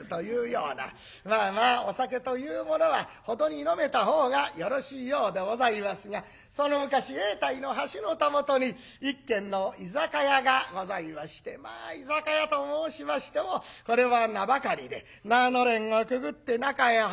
まあまあお酒というものは程に飲めたほうがよろしいようでございますがその昔永代の橋のたもとに一軒の居酒屋がございましてまあ居酒屋と申しましてもこれは名ばかりで縄のれんをくぐって中へ入る。